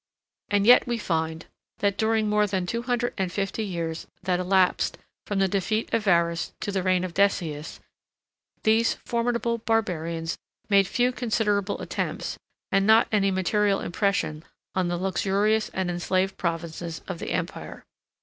And yet we find, that during more than two hundred and fifty years that elapsed from the defeat of Varus to the reign of Decius, these formidable barbarians made few considerable attempts, and not any material impression on the luxurious, and enslaved provinces of the empire.